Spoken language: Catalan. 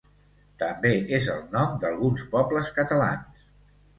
També és el nom d'alguns pobles catalans.